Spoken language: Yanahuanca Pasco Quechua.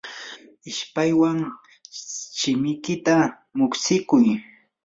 ishpaywan shimikita muqstikuy.